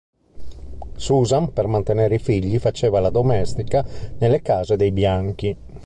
Susan, per mantenere i figli, faceva la domestica nelle case dei bianchi.